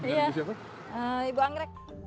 iya ibu anggrek